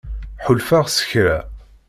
Ḥulfaɣ s kra.